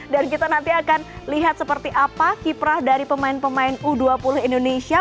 dan kita nanti akan lihat seperti apa kiprah dari pemain pemain u dua puluh indonesia